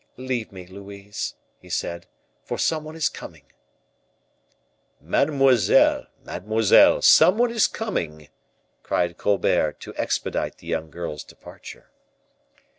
"Leave me, Louise," he said, "for some one is coming." "Mademoiselle, mademoiselle, some one is coming," cried Colbert, to expedite the young girl's departure.